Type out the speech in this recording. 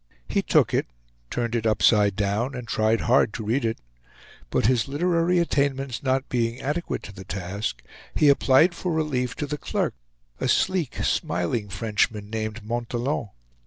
He took it, turned it upside down, and tried hard to read it; but his literary attainments not being adequate to the task, he applied for relief to the clerk, a sleek, smiling Frenchman, named Montalon.